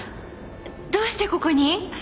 どうしてここに？